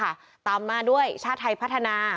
กรุงเทพฯมหานครทำไปแล้วนะครับ